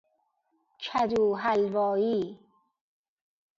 کدوحلوایی